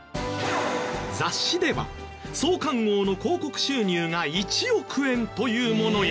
雑誌では創刊号の広告収入が１億円というものや。